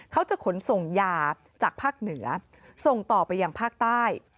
เขาจะขนส่งยาจากภาคเหนือส่งต่อไปยังภาคใต้